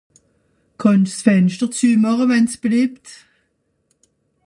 Kann'sch s'Fenschter züemache wann's beliebt?